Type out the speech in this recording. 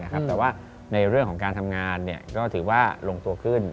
แต่ว่าในเรื่องของการทำงานก็ถือว่าลงตัวขึ้น